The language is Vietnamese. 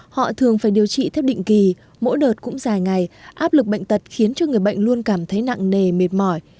họ thường phải điều trị theo định kỳ mỗi đợt cũng dài ngày áp lực bệnh tật khiến cho người bệnh luôn cảm thấy nặng nề mệt mỏi